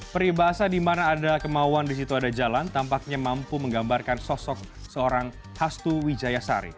peribahasa di mana ada kemauan di situ ada jalan tampaknya mampu menggambarkan sosok seorang hastu wijayasari